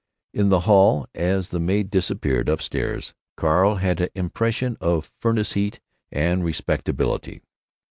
In the hall, as the maid disappeared up stairs, Carl had an impression of furnace heat and respectability.